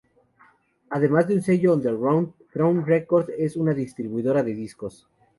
Además de un sello underground, Throne Records es una distribuidora de discos.